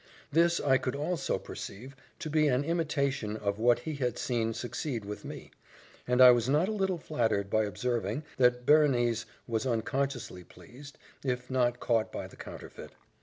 This I could also perceive to be an imitation of what he had seen suceed with me; and I was not a little flattered by observing, that Berenice was unconsciously pleased, if not caught by the counterfeit.